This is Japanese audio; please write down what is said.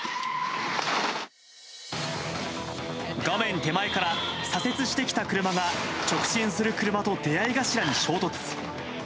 画面手前から左折してきた車が直進する車と出会い頭に衝突。